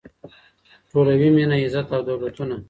ټولوي مینه عزت او دولتونه